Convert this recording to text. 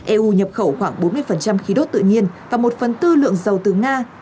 eu nhập khẩu khoảng bốn mươi khí đốt tự nhiên và một phần tư lượng dầu từ nga